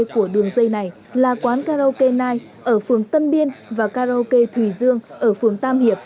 của đường dây này là quán karaoke nige ở phường tân biên và karaoke thùy dương ở phường tam hiệp